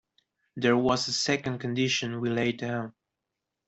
There was a second condition we laid down.